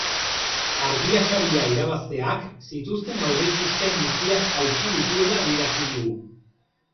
Argia saria irabazteak zituzten aurreikuspen guztiak hautsi dituela adierazi digu.